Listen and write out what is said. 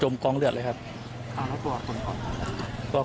ตอนนั้นเขาก็เลยรีบวิ่งออกมาดูตอนนั้นเขาก็เลยรีบวิ่งออกมาดู